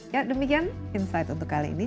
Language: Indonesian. ya demikian insight untuk kali ini